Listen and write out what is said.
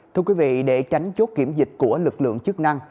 thưa quý vị để tránh chốt kiểm dịch của lực lượng chức năng